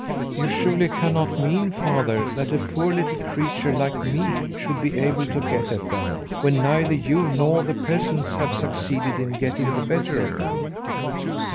"You surely cannot mean, father, that a poor little creature like me should be able to get at them, when neither you nor the peasants have succeeded in getting the better of them."